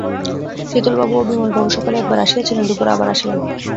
শীতলবাবু ও বিমলবাবু সকালে একবার আসিয়াছিলেন, দুপুরে আবার আসিলেন।